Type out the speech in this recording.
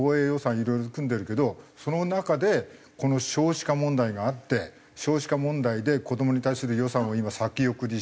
いろいろ組んでるけどその中でこの少子化問題があって少子化問題で子どもに対する予算を今先送りしてて。